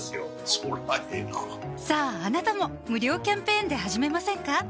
そりゃええなさぁあなたも無料キャンペーンで始めませんか？